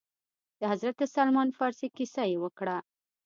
د حضرت سلمان فارس کيسه يې وکړه.